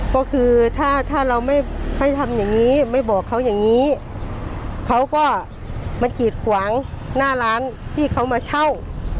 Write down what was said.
ก็คือถ้าถ้าเราไม่ให้ทำอย่างงี้ไม่บอกเขาอย่างนี้เขาก็มากีดขวางหน้าร้านที่เขามาเช่า